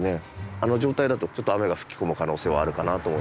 あの状態だと雨が吹き込む可能性はあるかなと思います。